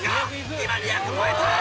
今２００超えた！